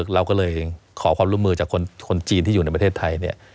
เราก็เลยขอความร่วมมือจากคนจีนที่อยู่ในประเทศไทยเนี่ย